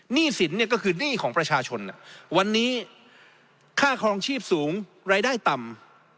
หนี้สินเนี่ยก็คือหนี้ของประชาชนวันนี้ค่าครองชีพสูงรายได้ต่ำ